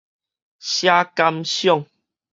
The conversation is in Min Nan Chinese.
寫感想